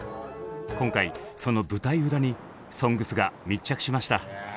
今回その舞台裏に「ＳＯＮＧＳ」が密着しました。